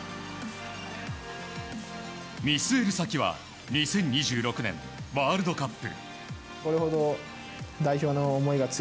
見据える先は２０２６年ワールドカップ。